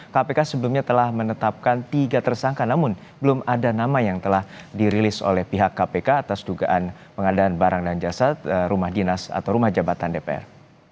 kpk sebelumnya telah menetapkan tiga tersangka namun belum ada nama yang telah dirilis oleh pihak kpk atas dugaan pengadaan barang dan jasad rumah dinas atau rumah jabatan dpr